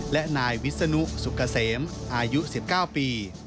และนายวิศนุสุกเกษมอายุ๑๙ปี